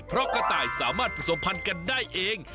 เพราะกระต่ายสามารถผสมพันธุ์กันได้เอง